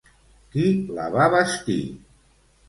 Qui la va bastir?